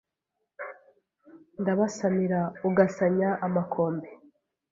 Ndabasamira ugasanya amakombe